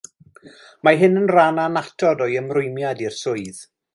Mae hyn yn rhan annatod o'i ymrwymiad i'r swydd